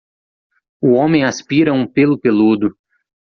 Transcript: O homem aspira um pêlo peludo.